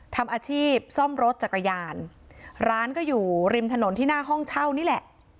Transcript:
ทำอาชีพซ่อมรถจักรยานร้านก็อยู่ริมถนนที่หน้าห้องเช่านี่แหละ